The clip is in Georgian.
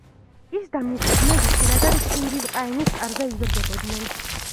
ის და მისი ძმები პირადად ჩინგიზ-ყაენის კარზე იზრდებოდნენ.